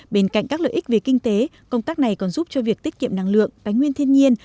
bên cạnh các lợi ích về kinh tế công tác này còn giúp cho việc tiết kiệm năng lượng bánh nguyên thiên nhiên